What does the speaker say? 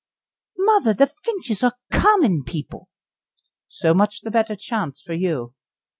"Mother! the Finches are common people." "So much the better chance for you."